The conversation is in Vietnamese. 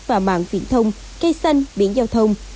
và mạng viễn thông cây xanh biển giao thông